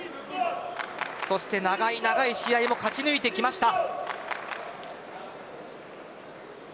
そして長い長い試合も勝ち抜いてきました。